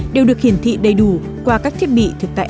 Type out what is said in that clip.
đều được hiển thị đầy đủ qua các thiết bị